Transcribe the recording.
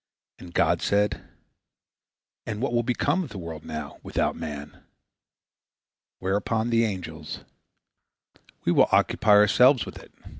'" And God said, "And what will become of the world now without man?" Whereupon the angels: "We will occupy ourselves with it."